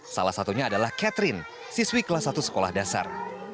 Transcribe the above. salah satunya adalah catherine siswi kelas satu sekolah dasar